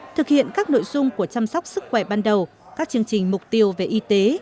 thực hiện các nội dung của chăm sóc sức khỏe ban đầu các chương trình mục tiêu về y tế